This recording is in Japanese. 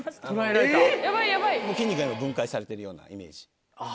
筋肉が今分解されているようなイメージ。